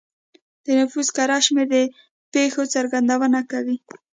د نفوس کره شمېر د پېښو څرګندونه کوي.